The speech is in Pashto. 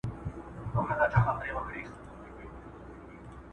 زه به اوږده موده مېوې خوړلې وم؟